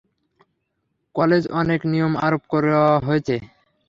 College অনেক নিয়ম আরোপ করা হয়েছে।